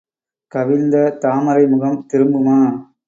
கவிழ்ந்த தாமரை முகம் திரும்புமா?